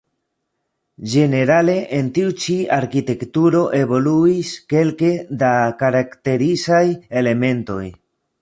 Ĝenerale en tiu ĉi arkitekturo evoluis kelke da karakterizaj elementoj.